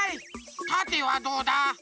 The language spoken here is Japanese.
たてはどうだ？